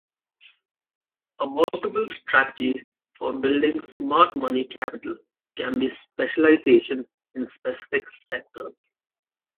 A workable strategy for building smart money capital can be specialization in specific sectors.